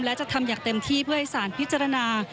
และจะทำอย่างเต็มที่เพื่อให้สารพิจารณา